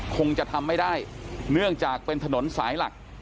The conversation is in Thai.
คงจะทำไม่ได้เนื่องจากเป็นถนนสายหลัก